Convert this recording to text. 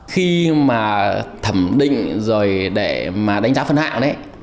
khi mà thẩm định rồi để mà đánh giá phân hạng đấy